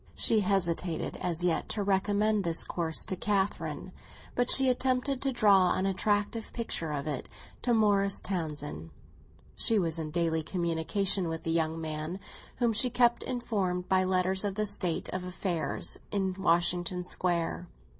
She hesitated as yet to recommend this course to Catherine, but she attempted to draw an attractive picture of it to Morris Townsend. She was in daily communication with the young man, whom she kept informed by letters of the state of affairs in Washington Square.